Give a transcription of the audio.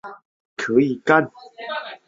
日本一个国际上堂堂大国可以干这种事吗？